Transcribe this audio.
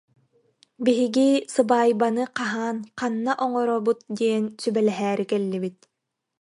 Биһиги сыбаайбаны хаһан, ханна оҥоробут диэн сүбэлэһээри кэллибит